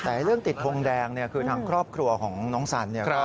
แต่เรื่องติดทงแดงคือทางครอบครัวของน้องสัน